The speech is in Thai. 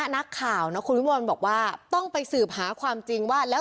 นักข่าวนะคุณวิมวลบอกว่าต้องไปสืบหาความจริงว่าแล้ว